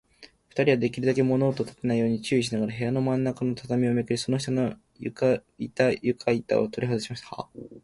ふたりは、できるだけ物音をたてないように注意しながら、部屋のまんなかの畳をめくり、その下の床板ゆかいたをとりはずしました。